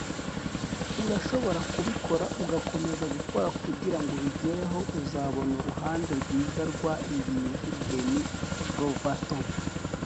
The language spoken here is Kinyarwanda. urashobora kubikora ugakomeza gukora kugirango ubigereho uzabona uruhande rwiza rwa ibintu. - demi lovato